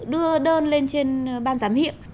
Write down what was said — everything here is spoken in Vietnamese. đưa đơn lên trên ban giám hiện